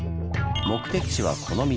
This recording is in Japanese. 目的地はこの道。